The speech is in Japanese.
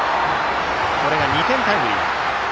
これが２点タイムリー。